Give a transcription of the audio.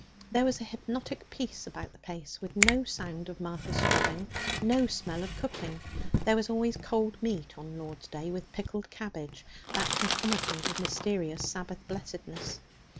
There was a hypnotic quiet about the place, with no sound of Martha's scrubbing, no smell of cooking. There was always cold meat on Lord's Day, with pickled cabbage, that concomitant of mysterious Sabbath blessedness.